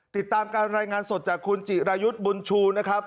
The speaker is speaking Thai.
ติดตามการรายงานสดจากคุณจิรายุทธ์บุญชูนะครับ